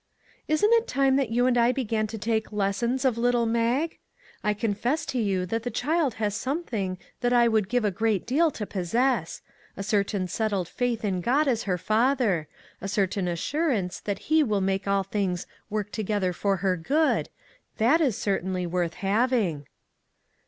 " Isn't it time that you and I began to take lessons of little Mag? I confess to you that the child has something that I would give a great deal to possess a certain settled faith in God as her Father; a certain assurance that he will make all things ' work together for her good ' that is certainly worth having."